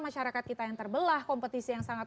masyarakat kita yang terbelah kompetisi yang sangat